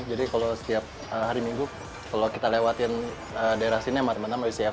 jadi kalau setiap hari minggu kalau kita lewatin daerah sini teman teman harus siap